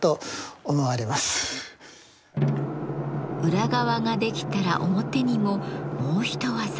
裏側が出来たら表にももう一技。